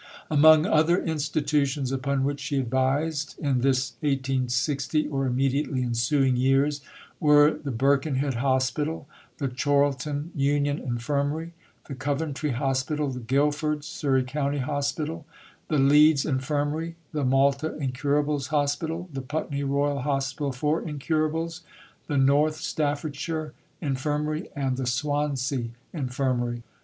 Among other institutions upon which she advised, in this (1860) or immediately ensuing years, were the Birkenhead Hospital, the Chorlton Union Infirmary, the Coventry Hospital, the Guildford (Surrey County) Hospital, the Leeds Infirmary, the Malta (Incurables) Hospital, the Putney Royal Hospital for Incurables, the North Staffordshire Infirmary, and the Swansea Infirmary.